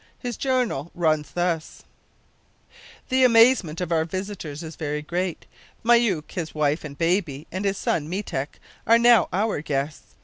His journal runs thus: "The amazement of our visitors is very great. Myouk, his wife and baby, and his son Meetek, are now our guests.